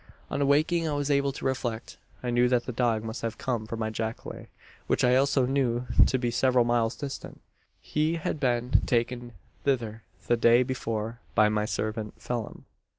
"On awaking I was able to reflect. I knew that the dog must have come from my jacale; which I also knew to be several miles distant. He had been taken thither, the day before, by my servant, Phelim.